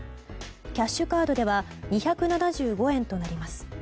キャッシュカードでは２７５円となります。